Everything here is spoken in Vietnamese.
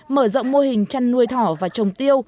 mở rộng mô hình chăn nuôi thỏ và trồng tiêu